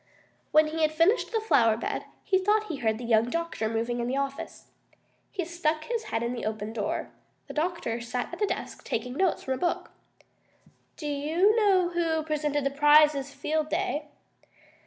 When he had finished the flower bed he thought he heard the young doctor moving in the office. He stuck his head in the open door. The doctor sat at his desk, taking notes from a book. "Do you know who presented the prizes Field Day?"